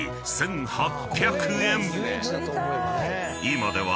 ［今では］